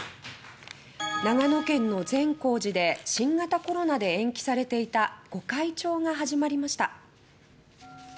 長野県の善光寺で新型コロナで延期されていた御開帳が始まりました。